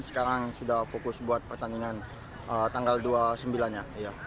sekarang sudah fokus buat pertandingan tanggal dua puluh sembilan nya